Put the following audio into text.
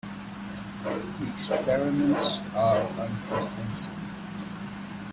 The experiments are unconvincing.